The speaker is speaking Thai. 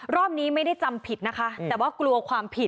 รอบนี้ไม่ได้จำผิดนะคะแต่ว่ากลัวความผิด